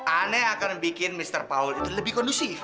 aneh akan bikin mr paul itu lebih kondusif